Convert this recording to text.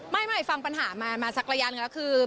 ไม่ฟังปัญหามาสักระยะหนึ่งแล้วคือ